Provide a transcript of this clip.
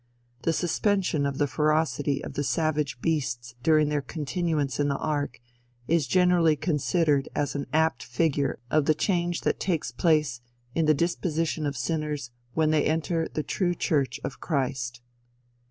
The suspension of the ferocity of the savage beasts during their continuance in the ark, is generally considered as an apt figure of the change that takes place in the disposition of sinners when they enter the true church of Christ."